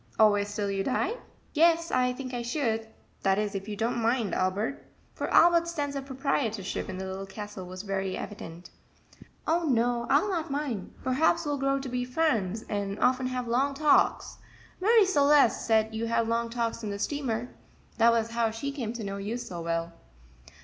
"Always till you die?" "Yes, I think I should that is, if you don't mind, Albert;" for Albert's sense of proprietorship in the Little Castle was very evident. "Oh, no, I'll not mind perhaps we'll grow to be friends, and often have long talks. Marie Celeste said you had long talks on the steamer that was how she came to know you so well."